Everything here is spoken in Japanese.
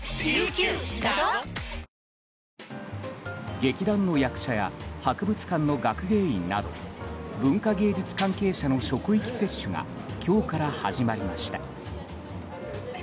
劇団の役者や博物館の学芸員など文化芸術関係者の職域接種が今日から始まりました。